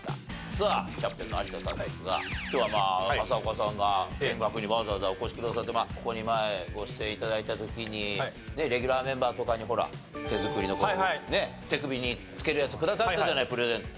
さあキャプテンの有田さんですが今日はまあ浅丘さんが見学にわざわざお越しくださってここに前ご出演頂いた時にレギュラーメンバーとかにほら手作りの手首につけるやつくださったじゃないプレゼント。